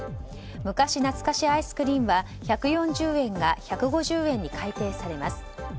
昔なつかしアイスクリンは１４０円が１５０円に改定されます。